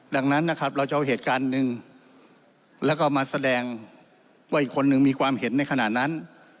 ดังนั้นนะครับเราจะเอาเหตุการณ์หนึ่งแล้วก็มาแสดงว่าอีกคนนึงมีความเห็นในขณะนั้น